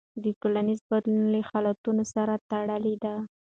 د ټولنې بدلون له حالتونو سره تړلی دی.